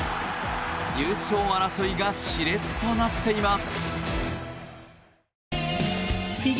優勝争いが熾烈となっています。